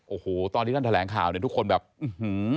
โอ้โหตอนนี้ด้านแถลงข่าวทุกคนแบบอื้อหือ